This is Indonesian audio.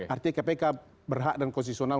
artinya kpk berhak dan konstitusional